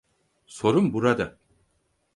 Sorun burada.